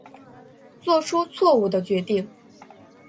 做出错误的决定